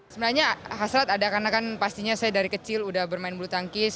sebenarnya hasrat ada karena kan pastinya saya dari kecil udah bermain bulu tangkis